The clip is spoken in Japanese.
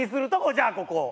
じゃあここ。